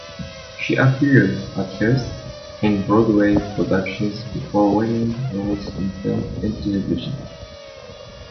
She appeared at first in Broadway productions before winning roles in film and television.